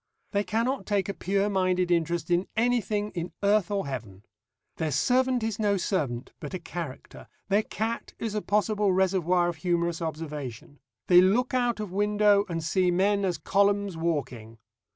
They cannot take a pure minded interest in anything in earth or heaven. Their servant is no servant, but a character; their cat is a possible reservoir of humorous observation; they look out of window and see men as columns walking.